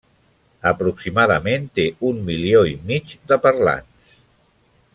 Aproximadament té un milió i mig de parlants.